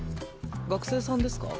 学生さんですか？